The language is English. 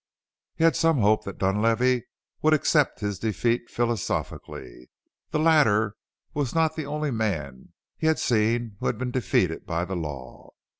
He had had some hope that Dunlavey would accept his defeat philosophically. The latter was not the only man he had seen who had been defeated by the law.